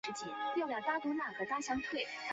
拉纳维尔圣皮耶尔。